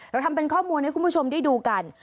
เราทำเป็นข้อมูลให้คุณผู้ชมได้ดูกัน